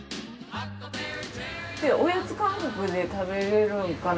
おやつ感覚で食べられるんかな？